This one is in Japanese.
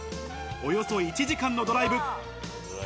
およそ１時間のドライブ。